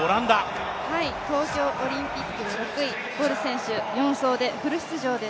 東京オリンピック６位、ボル選手、４走でフル出場です。